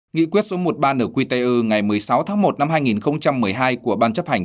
nghị quyết số một mươi ba ở quy tây ư ngày một mươi sáu tháng một năm hai nghìn một mươi hai của ban chấp hành